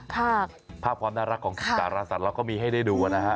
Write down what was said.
ภาพความน่ารักของสารสัตว์เราก็มีให้ได้ดูนะฮะ